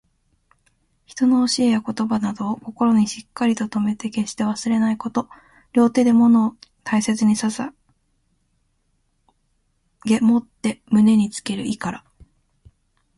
人の教えや言葉などを、心にしっかりと留めて決して忘れないこと。両手で物を大切に捧ささげ持って胸につける意から。